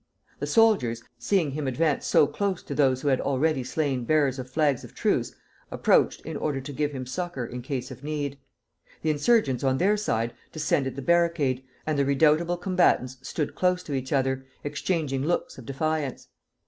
The soldiers, seeing him advance so close to those who had already slain bearers of flags of truce, approached in order to give him succor in case of need; the insurgents, on their side, descended the barricade, and the redoubtable combatants stood close to each other, exchanging looks of defiance.